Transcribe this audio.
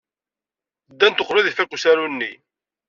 Ddant uqbel ad ifak usaru-nni.